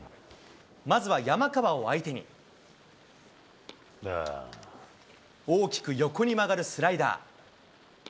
まずは山川を相手に、大きく横に曲がるスライダー。